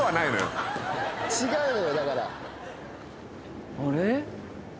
違うのよだから。